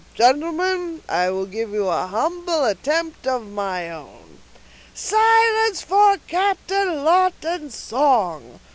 Gentlemen, I will give you a humble attempt of my own." "Silence, for Captain Lawton's song!"